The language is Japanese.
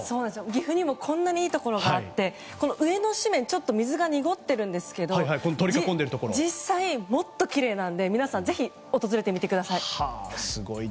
岐阜にもこんないいところがあって上の紙面、水が濁っていますが実際、もっときれいなので皆さんぜひ訪れてみてください。